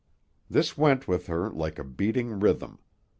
This went with her like a beating rhythm.